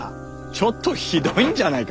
ちょっとヒドいんじゃあないか？